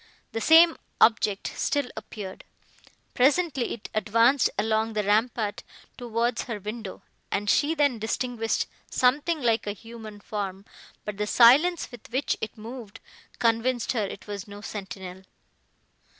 The same object still appeared. Presently, it advanced along the rampart, towards her window, and she then distinguished something like a human form, but the silence, with which it moved, convinced her it was no sentinel.